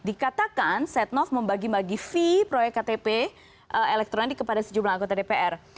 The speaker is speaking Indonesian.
dikatakan setnov membagi bagi fee proyek ktp elektronik kepada sejumlah anggota dpr